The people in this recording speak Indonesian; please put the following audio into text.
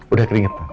udah keringet pak